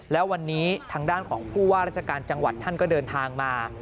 แล้ววันนี้ทางด้านของผู้ว่าราชการจังหวัดท่านก็เดินทางมา